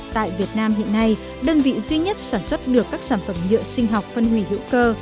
tại việt nam hiện nay đơn vị duy nhất sản xuất được các sản phẩm nhựa sinh học phân hủy hữu cơ